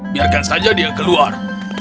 biarkan saja dia keluar